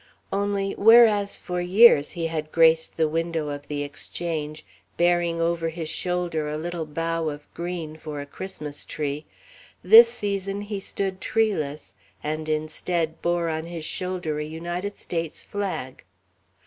Only, whereas for years he had graced the window of the Exchange, bearing over his shoulder a little bough of green for a Christmas tree, this season he stood treeless, and instead bore on his shoulder a United States flag.